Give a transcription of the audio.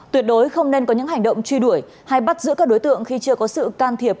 tuyệt đối không nên có những hành động truy đuổi hay bắt giữ các đối tượng khi chưa có sự can thiệp